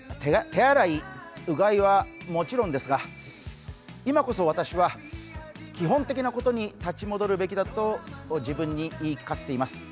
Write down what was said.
手洗い、うがいはもちろんですが今こそ私は、基本的なことに立ち戻るべきだと自分に言い聞かせています。